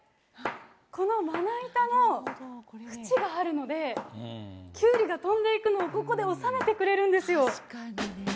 このまな板のふちがあるので、きゅうりが飛んでいくのをここで収めてくれるんですよ。